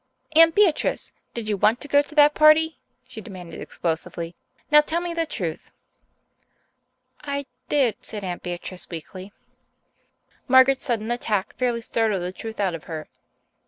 "Aunt Beatrice, did you want to go to that party?" she demanded explosively. "Now tell me the truth." "I did," said Aunt Beatrice weakly. Margaret's sudden attack fairly startled the truth out of her.